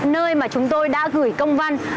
nơi mà chúng tôi đã gửi công văn